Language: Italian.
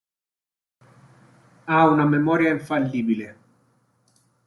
Ha una memoria infallibile.